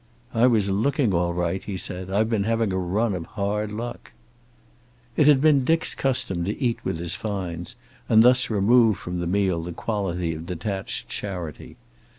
"I was looking, all right," he said. "I've been having a run of hard luck." It had been Dick's custom to eat with his finds, and thus remove from the meal the quality of detached charity.